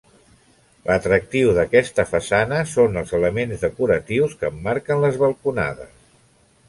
L'atractiu d'aquesta façana són els elements decoratius que emmarquen les balconades.